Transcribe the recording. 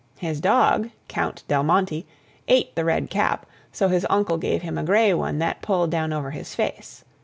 His dog, Count Del Monte, ate the red cap, so his uncle gave him a gray one that pulled down over his face.